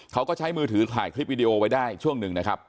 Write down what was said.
เขาก็ใช้มือถือถ่ายคลิปวิดีโอไว้ได้ช่วงหนึ่งนะครับ